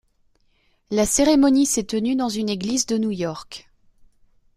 La cérémonie s'est tenue dans une église de New York.